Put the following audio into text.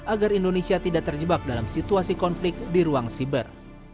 agar indonesia tidak terjebak dalam situasi konflik di ruang siber